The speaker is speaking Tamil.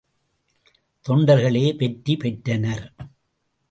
தொண்டர்களே வெற்றி பெற்றனர்.